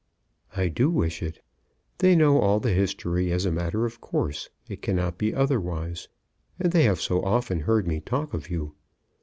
"I do wish it. They know all the history as a matter of course. It cannot be otherwise. And they have so often heard me talk of you.